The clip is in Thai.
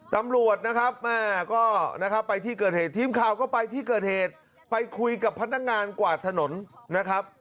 ตำรวจนะครับแม่ก็นะครับไปที่เกิดเหตุทีมข่าวก็ไปที่เกิดเหตุไปคุยกับพนักงานกวาดถนนนะครับ